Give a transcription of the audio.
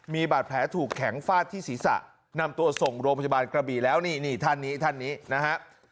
มีบาดแผลถูกแข็งฟาดที่ศีรษะนำตัวส่งโรงพยาบาลกระบี่แล้วนี่นี่ท่านนี้ท่านนี้นะฮะ